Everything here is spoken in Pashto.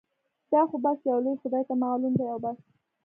دا خو بس يو لوی خدای ته معلوم دي او بس.